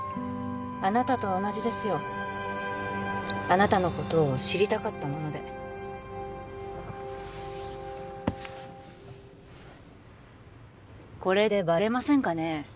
あなたと同じですよあなたのことを知りたかったものでこれでバレませんかね？